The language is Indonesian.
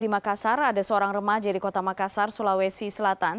di makassar ada seorang remaja di kota makassar sulawesi selatan